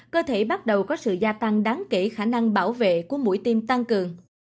cơ thể bắt đầu có sự gia tăng đáng kể khả năng bảo vệ của mũi tiêm tăng cường